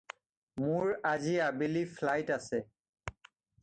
মোৰ আজি আবেলি ফ্লাইট আছে।